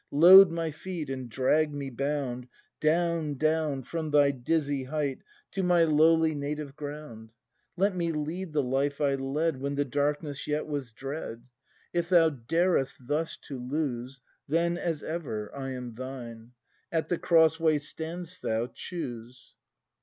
Load my feet, and drag me bound Down, down from thy dizzy height To my lowly native ground; Let me lead the life I led When the darkness yet was dread; If thou darest thus to lose. Then, as ever, I am thine; At the cross way stand 'st thou: choose!